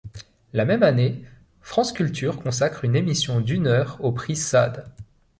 La même année France Culture consacre une émission d'une heure au prix Sade.